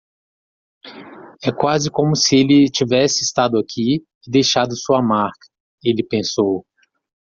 É quase como se ele tivesse estado aqui e deixado sua marca? ele pensou.